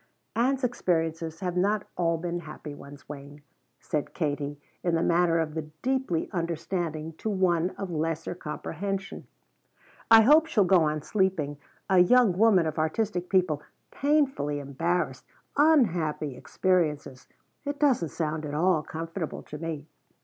"Ann's experiences have not all been happy ones, Wayne," said Katie in the manner of the deeply understanding to one of lesser comprehension. "I hope she'll go on sleeping. A young woman of artistic people painfully embarrassed unhappy experiences it doesn't sound at all comfortable to me."